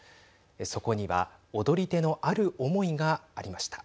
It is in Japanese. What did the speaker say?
そこには踊り手のある思いがありました。